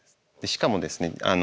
しかもですね